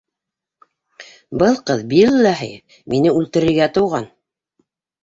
Был ҡыҙ, биллаһи, мине үлтерергә тыуған!